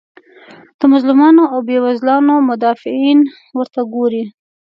د مظلومانو او بیوزلانو مدافعین ورته ګوري.